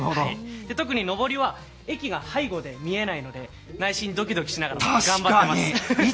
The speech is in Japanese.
特に上りは駅が背後で見えないので内心ドキドキしながら頑張ってます。